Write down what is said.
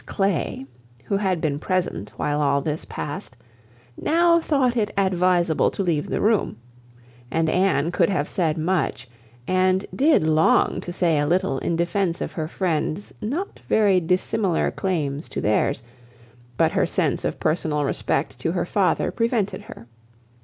Mrs Clay, who had been present while all this passed, now thought it advisable to leave the room, and Anne could have said much, and did long to say a little in defence of her friend's not very dissimilar claims to theirs, but her sense of personal respect to her father prevented her.